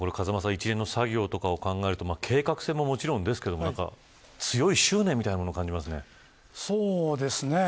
一連の作業とかを考えると計画性ももちろんですが強い執念みたいなものをそうですね。